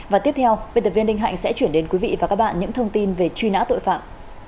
và tiếp theo biên tập viên linh hạnh sẽ chuyển đến quý vị và các bạn những thông tin về truy nã tội phạm